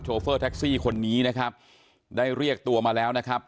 เฟอร์แท็กซี่คนนี้นะครับได้เรียกตัวมาแล้วนะครับ